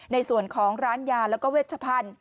ในส่วนของร้านยาแล้วก็เวชพันธุ์